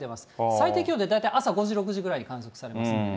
最低気温って、大体朝５時６時とかに観測されますんでね。